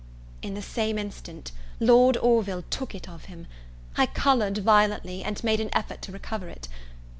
In the same instant, Lord Orville took it of him; I coloured violently, and made an effort to recover it.